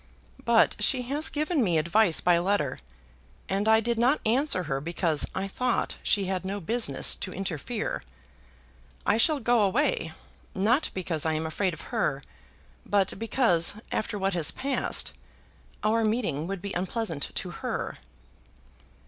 But she has given me advice by letter, and I did not answer her because I thought she had no business to interfere. I shall go away, not because I am afraid of her, but because, after what has passed, our meeting would be unpleasant to her."